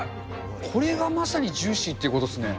これがまさにジューシーってことですね。